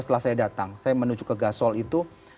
setelah saya datang saya menuju ke gasol itu